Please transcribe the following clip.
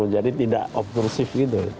jadi tidak obtrusif gitu